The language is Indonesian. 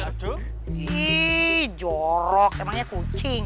ih jorok emangnya kucing